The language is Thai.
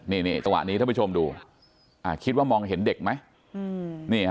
นี่จังหวะนี้ท่านผู้ชมดูคิดว่ามองเห็นเด็กไหม